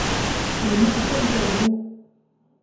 明末政治人物。